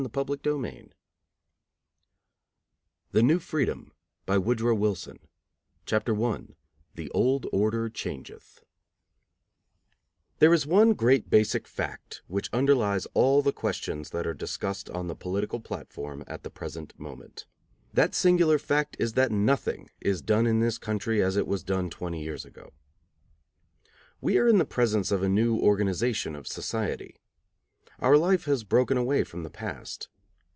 The Liberation of a People's Vital Energies 277 THE NEW FREEDOM I THE OLD ORDER CHANGETH There is one great basic fact which underlies all the questions that are discussed on the political platform at the present moment. That singular fact is that nothing is done in this country as it was done twenty years ago. We are in the presence of a new organization of society. Our life has broken away from the past.